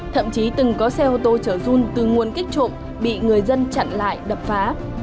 thậm chí từng có xe ô tô chở run từ nguồn kích trộm bị người dân chặn lại đập phá